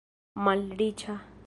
malriĉa